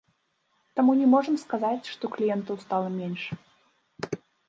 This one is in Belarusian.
Таму не можам сказаць, што кліентаў стала менш.